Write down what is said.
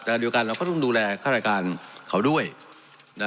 แต่เดียวกันเราก็ต้องดูแลค่ารายการเขาด้วยนะ